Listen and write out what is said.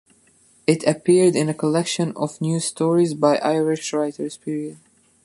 It appeared in a collection of new stories by Irish writers.